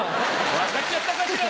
分かっちゃったかしら？